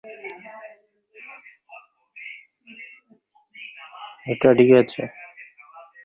ঘুমের অষুধ দিয়েছি, ফেনোবারবিটন।